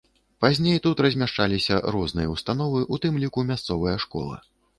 Пазней тут размяшчаліся розныя ўстановы, у тым ліку мясцовыя школа.